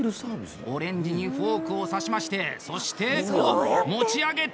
オレンジにフォークを刺しましてそしておっ、持ち上げた！